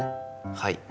はい。